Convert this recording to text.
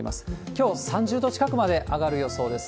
きょう３０度近くまで上がる予想です。